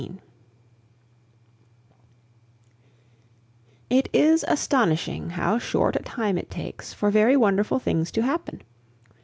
XIV It is astonishing how short a time it takes for very wonderful things to happen.